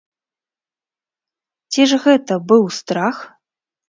Ці ж гэта быў страх?!